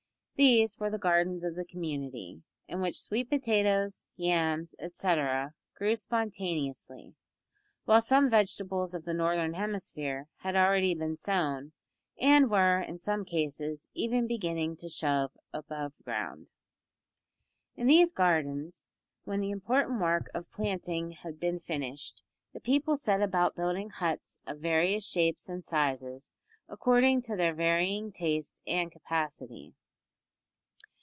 These were the gardens of the community, in which sweet potatoes, yams, etcetera, grew spontaneously, while some vegetables of the northern hemisphere had already been sown, and were in some cases even beginning to show above ground. In these gardens, when the important work of planting had been finished, the people set about building huts of various shapes and sizes, according to their varying taste and capacity.